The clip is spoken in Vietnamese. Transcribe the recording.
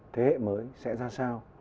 thế hệ mới sẽ ra sao